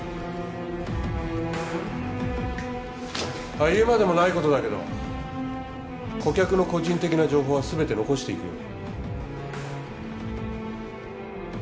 あっ言うまでもないことだけど顧客の個人的な情報は全て残していくように。